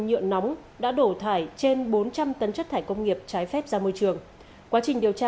nhựa nóng đã đổ thải trên bốn trăm linh tấn chất thải công nghiệp trái phép ra môi trường quá trình điều